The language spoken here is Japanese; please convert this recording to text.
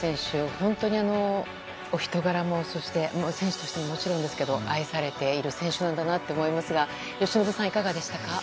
本当にお人柄も選手としてももちろんですけど愛されている選手なんだなと思いますが由伸さん、いかがでしたか。